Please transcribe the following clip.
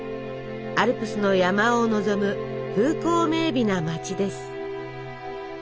アルプスの山をのぞむ風光明美な街です。